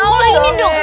oh ini dong